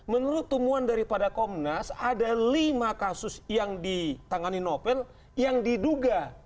menurut temuan daripada komnas ada lima kasus yang ditangani novel yang diduga